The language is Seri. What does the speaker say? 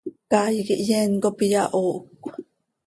Caay quih yeen cop iyahoohcö.